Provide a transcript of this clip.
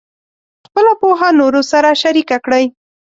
خپله پوهه نورو سره شریکه کړئ.